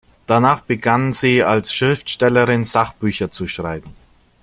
Danach begann sie als Schriftstellerin Sachbücher zu schreiben.